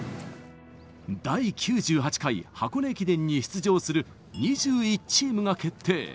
第９８回箱根駅伝に出場する２１チームが決定。